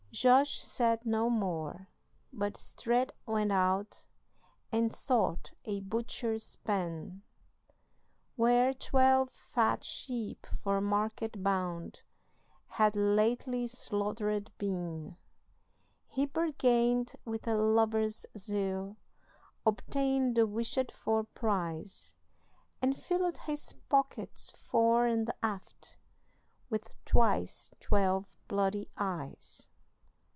Josh said no more, but straight went out And sought a butcher's pen, Where twelve fat sheep, for market bound, Had lately slaughtered been. He bargained with a lover's zeal, Obtained the wished for prize, And filled his pockets fore and aft With twice twelve bloody eyes.